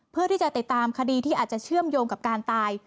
เพื่อที่จะติดตามคดีที่อาจจะเชื่อมโยงกับการตาย